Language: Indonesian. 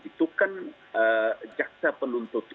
itu kan jaksa penuntut